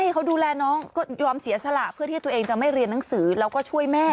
เขาดูแลน้องก็ยอมเสียสละเพื่อที่ตัวเองจะไม่เรียนหนังสือแล้วก็ช่วยแม่